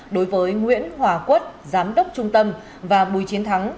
đối với nguyễn hòa quất giám đốc trung tâm và bùi chiến thắng